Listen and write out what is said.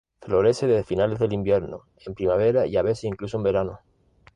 Florece desde finales del invierno, en primavera y a veces incluso en el verano.